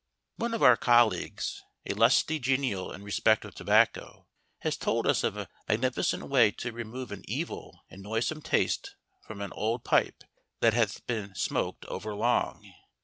One of our colleagues, a lusty genial in respect of tobacco, has told us of a magnificent way to remove an evil and noisome taste from an old pipe that hath been smoked overlong.